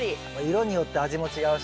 色によって味も違うし。